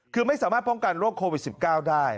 คือไม่สามารถป้องกันโรคโควิด๑๙ได้